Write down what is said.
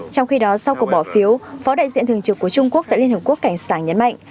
trong khi đó sau cuộc bỏ phiếu phó đại diện thường trực của trung quốc tại liên hợp quốc cảnh sáng nhấn mạnh